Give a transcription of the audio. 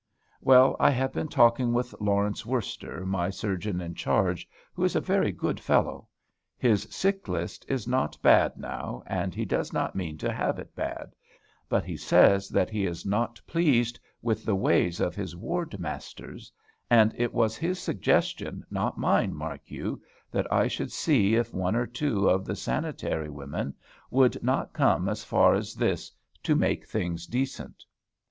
Well, I have been talking with Lawrence Worster, my Surgeon in Charge, who is a very good fellow. His sick list is not bad now, and he does not mean to have it bad; but he says that he is not pleased with the ways of his ward masters; and it was his suggestion, not mine, mark you, that I should see if one or two of the Sanitary women would not come as far as this to make things decent.